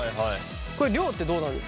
これ量ってどうなんですか？